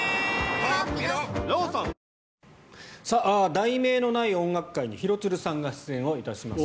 「題名のない音楽会」に廣津留さんが出演をいたします。